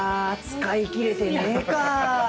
使いきれてねえか。